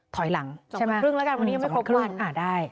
ถอยหลังใช่ไหมครึ่งแล้วกันวันนี้ยังไม่ครบวันอ่าได้